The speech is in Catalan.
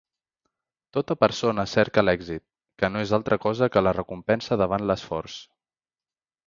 Tota persona cerca l'èxit, que no és altra cosa que la recompensa davant l'esforç.